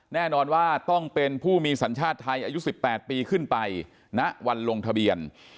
แน่นอนว่าต้องเป็นผู้มีสัญชาติไทยอายุ๑๘ปีขึ้นไปณวันลงทะเบียน